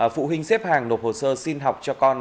phụ huynh xếp hàng nộp hồ sơ xin học cho con